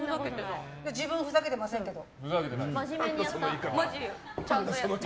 自分、ふざけてませんけど。